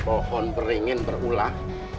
pohon beringin berulah